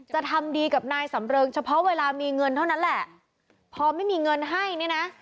จะทำดีกับนายสำเริงเฉพาะเวลามีเงินเท่านั้นแหละพอไม่มีเงินให้เนี่ยนะ